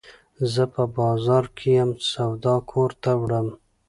زه په بازار کي یم، سودا کور ته وړم.